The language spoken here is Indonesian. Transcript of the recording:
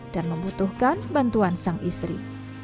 dan membutuhkan bantuan sang istri